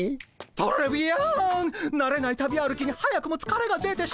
トレビアンなれない旅歩きに早くもつかれが出てしまった。